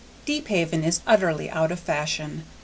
Deephaven is utterly out of fashion.